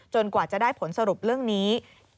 กว่าจะได้ผลสรุปเรื่องนี้